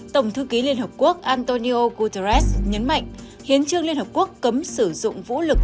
tổng thư ký liên hợp quốc antonio guterres nhấn mạnh hiến trương liên hợp quốc cấm sử dụng vũ lực